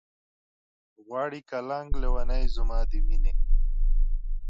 غواړي قلنګ لېونے زما د مينې